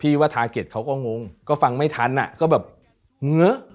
ว่าทาเก็ตเขาก็งงก็ฟังไม่ทันอ่ะก็แบบเงอะ